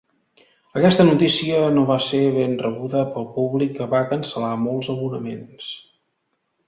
Aquesta notícia no va ser ben rebuda pel públic, que va cancel·lar molts abonaments.